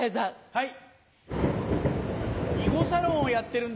はい。